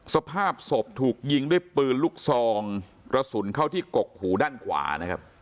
สภาพศพถูกยิงด้วยปืนลูกซองกระสุนเข้าที่กกหูด้านขวานะครับ